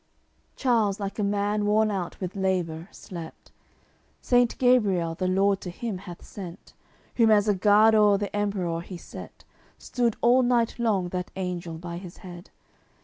CLXXXV Charles, like a man worn out with labour, slept. Saint Gabriel the Lord to him hath sent, Whom as a guard o'er the Emperour he set; Stood all night long that angel by his head.